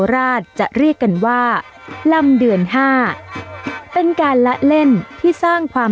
ราชจะเรียกกันว่าลำเดือนห้าเป็นการละเล่นที่สร้างความ